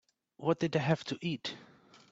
What did they have to eat?